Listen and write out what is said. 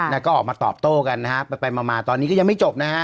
แล้วก็ออกมาตอบโต้กันนะฮะไปมาตอนนี้ก็ยังไม่จบนะฮะ